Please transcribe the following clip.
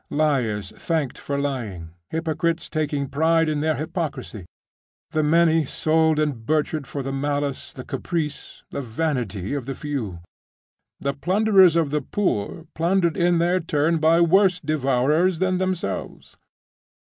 Liars thanked for lying, hypocrites taking pride in their hypocrisy. The many sold and butchered for the malice, the caprice, the vanity of the few. The plunderers of the poor plundered in their turn by worse devourers than themselves.